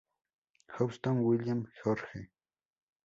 Aston, William George, tr.